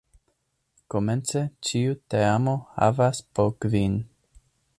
Komence ĉiu teamo havas po kvin.